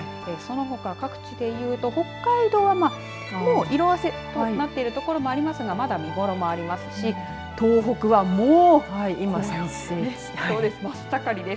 そのほか各地でいうと北海道はもう色あせとなっている所もありますがまだ見頃もありますし東北はもう、今、最盛期。